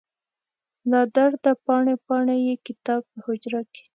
له درده پاڼې، پاڼې یې کتاب په حجره کې